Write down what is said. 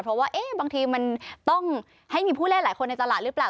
เพราะว่าบางทีมันต้องให้มีผู้เล่นหลายคนในตลาดหรือเปล่า